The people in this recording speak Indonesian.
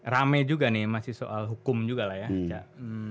rame juga nih masih soal hukum juga lah ya